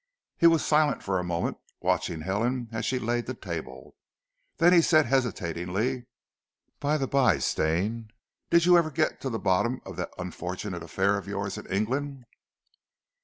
He was silent for a moment, watching Helen as she laid the table; then he said hesitatingly. "By the by, Stane, did you ever get to the bottom of that unfortunate affair of yours in England?"